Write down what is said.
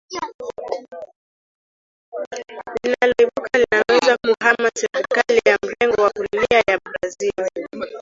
linaloibuka linaweza kuhama serikali ya mrengo wa kulia ya Brazil